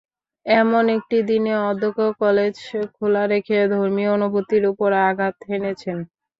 এমন একটি দিনে অধ্যক্ষ কলেজ খোলা রেখে ধর্মীয় অনুভূতির ওপর আঘাত হেনেছেন।